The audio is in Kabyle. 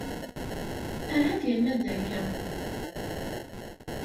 Ahat yenna-d akka.